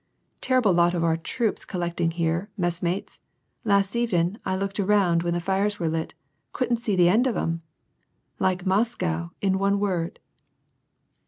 "Terrible lot of our troops collected here, messmates ! Last evenin' I looked aroimd when the fires were lit ; couldn't see tl« end of 'em ! Like Moscow, in one word